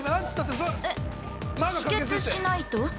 ◆えっ、止血しないと？